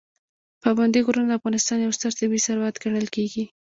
پابندي غرونه د افغانستان یو ستر طبعي ثروت ګڼل کېږي.